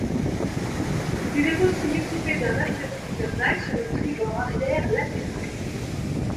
Il est aussi équipé d'un aviron-gouvernail sur le tribord arrière latéral.